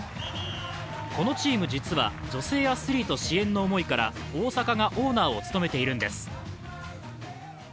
このチーム、実は女性アスリート支援の思いから大坂がオーナーを務めているんです。